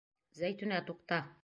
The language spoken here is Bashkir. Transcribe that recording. Зәйтүнә, туҡта!